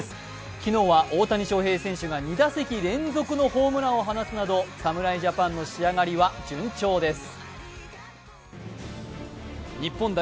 昨日は大谷翔平選手が２打席連続のホームランを放つなど侍ジャパンの仕上がりは順調です。